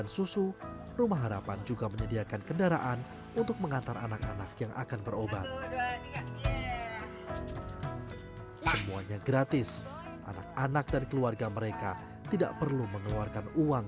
selama tinggal di rumah harapan beragam kebutuhan mereka telah disiapkan